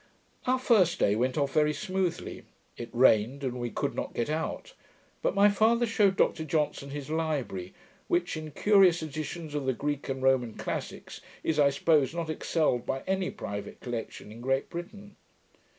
Our first day went off very smoothly. It rained, and we could not get out; but my father shewed Dr Johnson his library, which, in curious editions of the Greek and Roman classicks, is, I suppose, not excelled by any private collection in Great Britain.